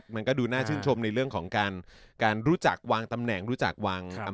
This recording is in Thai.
มันก็ดูน่าชื่นชมในเรื่องของการรู้จักวางตำแหน่งรู้จักวาง